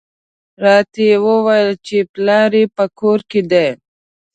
راته یې وویل چې پلار یې په کور کې دی.